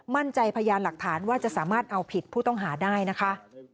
พยานหลักฐานว่าจะสามารถเอาผิดผู้ต้องหาได้นะคะ